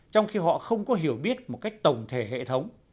trong khi họ không có hiểu biết một cách tổng thể hệ thống